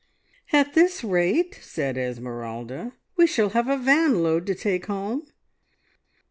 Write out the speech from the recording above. "At this rate," said Esmeralda, "we shall have a van load to take home!"